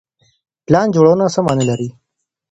پلان جوړونه څه معنا لري؟